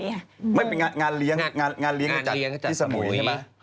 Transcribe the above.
ก็คงไม่ได้จัดสมุยอ่ะงานเลี้ยงก็จัดที่สมุยใช่ไหมงานเลี้ยงก็จัดที่สมุย